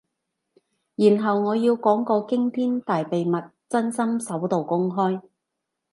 然後我要講個驚天大秘密，真心首度公開